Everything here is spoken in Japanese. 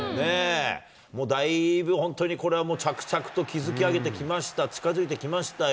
もうだいぶ本当にこれは、着々と築き上げてきました、近づいてきましたよ。